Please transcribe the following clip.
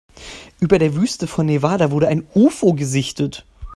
Über der Wüste von Nevada wurde ein Ufo gesichtet.